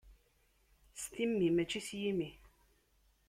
S timmi, mačči s yimi.